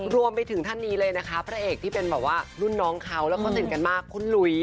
รวมไปถึงท่านนี้เลยนะคะพระเอกที่เป็นแบบว่ารุ่นน้องเขาแล้วเขาสนิทกันมากคุณหลุย